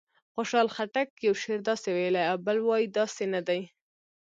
خوشحال خټک یو شعر داسې ویلی او بل وایي داسې نه دی.